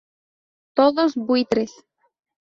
Todos buitres.